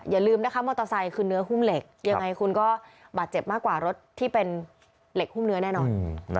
อย่าลืมนะคะมอเตอร์ไซค์คือเนื้อหุ้มเหล็กยังไงคุณก็บาดเจ็บมากกว่ารถที่เป็นเหล็กหุ้มเนื้อแน่นอน